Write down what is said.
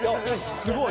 すごい。